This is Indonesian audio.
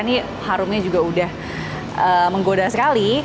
ini harumnya juga udah menggoda sekali